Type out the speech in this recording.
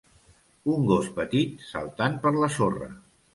un gos petit saltant per la sorra